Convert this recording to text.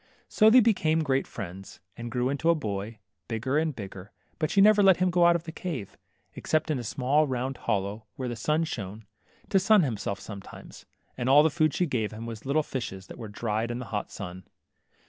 .So they became great friends, and he grew into a boy, bigger and bigger, but she never let him go out of the cave, except into a small round holl©w, where the sun shone, to sun himself sometimes ; and all the food she gave him was little fishes that were dried in th hot sun.